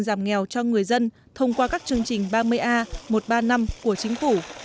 giảm nghèo cho người dân thông qua các chương trình ba mươi a một trăm ba mươi năm của chính phủ